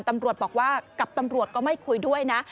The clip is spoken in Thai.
ตำรวจบอกว่ากับตำรวจก็ไม่คุยด้วยนะ